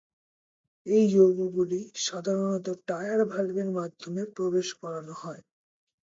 এই যৌগগুলি সাধারণত টায়ার ভালভের মাধ্যমে প্রবেশ করানো হয়।